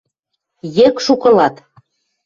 Екшук ылат!